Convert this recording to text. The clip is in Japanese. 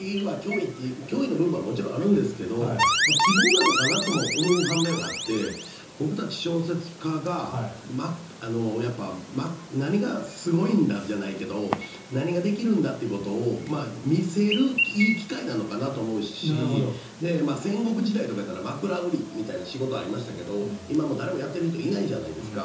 脅威の部分はもちろんあるんですけど希望なのかなとも思う反面があって僕たち小説家が何がすごいんだじゃないけど何ができるんだということを見せるいい機会なのかなと思うし戦国時代とかでは枕売りみたいな仕事もありましたけど今、誰ももうやっている人いないじゃないですか。